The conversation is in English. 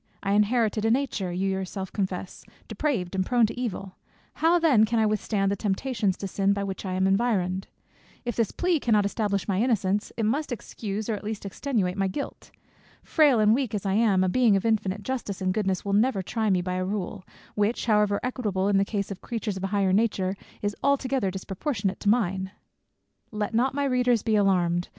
I inherited a nature, you yourself confess, depraved, and prone to evil: how then can I withstand the temptations to sin by which I am environed? If this plea cannot establish my innocence, it must excuse or at least extenuate my guilt. Frail and weak as I am, a Being of infinite justice and goodness will never try me by a rule, which however equitable in the case of creatures of a higher nature, is altogether disproportionate to mine." Let not my readers be alarmed!